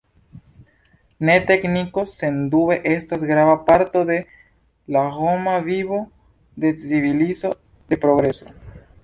Ne, tekniko sendube estas grava parto de l’ homa vivo, de civilizo, de progreso.